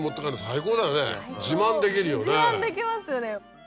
自慢できますよね。